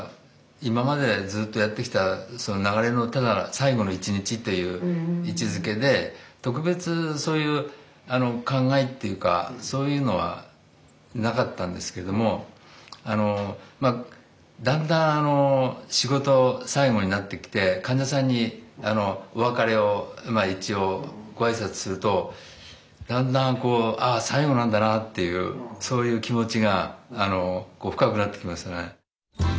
今までずっとやってきたその流れのただ最後の１日という位置づけで特別そういう考えっていうかそういうのはなかったんですけれどもだんだん仕事最後になってきて患者さんにお別れを一応ご挨拶するとだんだん最後なんだなっていうそういう気持ちが深くなってきますね。